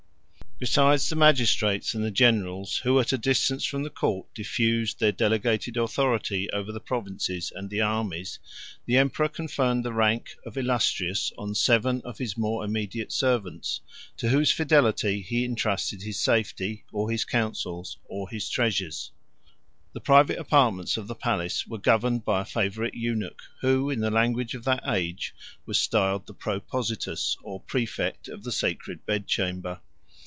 Besides the magistrates and generals, who at a distance from the court diffused their delegated authority over the provinces and armies, the emperor conferred the rank of Illustrious on seven of his more immediate servants, to whose fidelity he intrusted his safety, or his counsels, or his treasures. 1. The private apartments of the palace were governed by a favorite eunuch, who, in the language of that age, was styled the præpositus, or præfect of the sacred bed chamber.